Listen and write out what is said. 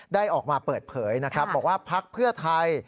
ได้ออกมาเปิดเผยนะครับบอกว่าพักเพื่อไทย